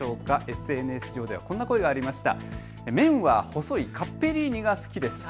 ＳＮＳではこんな声がありました。